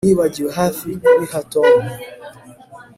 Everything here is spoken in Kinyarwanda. Nibagiwe hafi kubiha Tom